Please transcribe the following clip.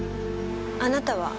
あなたは？